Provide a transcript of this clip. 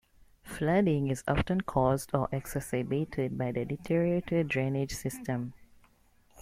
Flooding is often caused or exacerbated by the deteriorated drainage system.